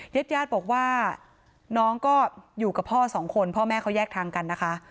ญาติญาติบอกว่าน้องก็อยู่กับพ่อสองคนพ่อแม่เขาแยกทางกันนะคะ